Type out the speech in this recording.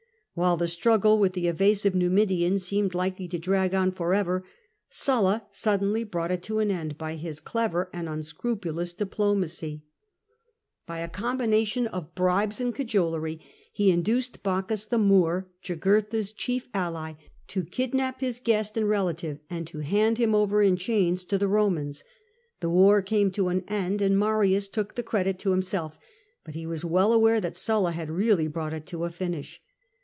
While the struggle with the evasive Numidian seemed likely to drag on for ever, Sulla suddenly brought it to an end by his clever and unscrupulous diplomacy. By a SULLA IN AmiCA 121 combinatioB of bribes and cajolery, he induced Bocchus the Moor, Jugurtha's chief ally, to kidnap his guest and relative, and to hand him over in chains to the Eomans. The war came to an end, and Marius took the credit to himself, but he was well aware that Sulla had really brought it to a finish.